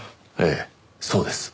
ええそうです。